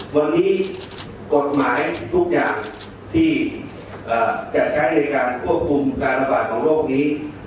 วันนี้กฎหมายทุกอย่างที่จะใช้ในการควบคุมการระบาดของโรคนี้